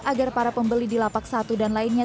agar para pembeli di lapak satu dan lainnya